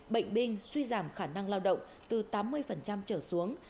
bệnh binh suy giảm khả năng lao động từ tám mươi trở xuống